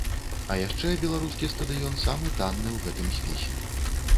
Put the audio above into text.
А яшчэ беларускі стадыён самы танны ў гэтым спісе.